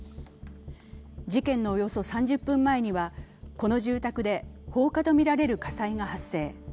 事件のおよそ３０分前にはこの住宅で放火とみられる火災が発生。